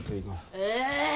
え！